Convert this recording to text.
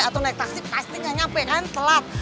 atau naik taksi pasti nggak nyampe kan telat